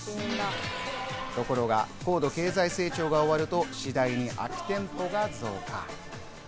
ところが高度経済成長が終わると次第に空店舗が増加。